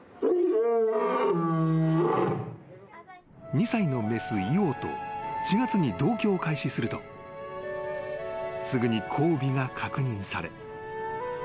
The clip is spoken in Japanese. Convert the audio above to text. ［２歳の雌イオと４月に同居を開始するとすぐに交尾が確認され］